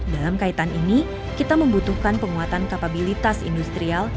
dalam kaitan ini kita membutuhkan penguatan kapabilitas industrial